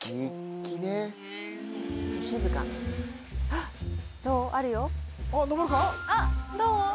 あっどう？